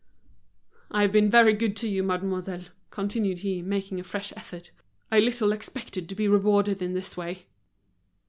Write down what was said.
"I've been very good to you, mademoiselle," continued he, making a fresh effort. "I little expected to be rewarded in this way."